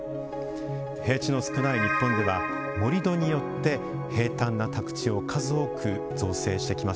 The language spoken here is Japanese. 平地の少ない日本では盛土によって平たんな宅地を数多く造成してきました。